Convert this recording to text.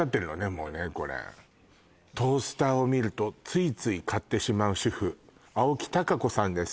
もうねこれ「トースターを見るとついつい買ってしまう主婦」「青木たかこ」さんです